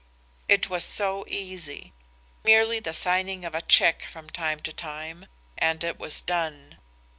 It was so easy; merely the signing of a check from time to time, and it was done.